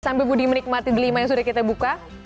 sambil budi menikmati delima yang sudah kita buka